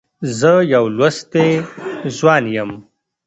زه يو لوستی ځوان یم.